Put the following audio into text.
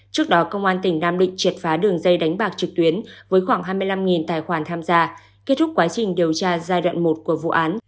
trước đó công an tỉnh nam định triệt phá đường dây đánh bạc trực tuyến với khoảng hai mươi năm tài khoản tham gia kết thúc quá trình điều tra giai đoạn một của vụ án